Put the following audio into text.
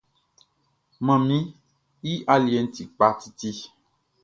Manmi i aliɛʼn ti kpa titi.